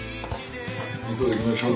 いただきましょう。